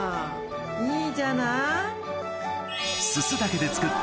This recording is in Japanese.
いいじゃない。